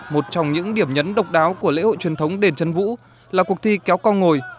một trong những điểm nhấn độc đáo của lễ hội truyền thống đền trấn vũ là cuộc thi kéo con ngồi